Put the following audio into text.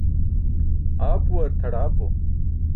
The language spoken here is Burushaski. Aapuwar tʰaḍaapo.